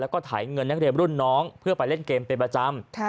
แล้วก็ถ่ายเงินนักเรียนรุ่นน้องเพื่อไปเล่นเกมเป็นประจำ